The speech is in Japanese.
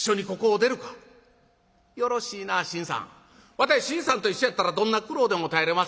わたい信さんと一緒やったらどんな苦労でも耐えれまっせ。